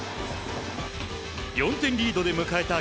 ４点リードで迎えた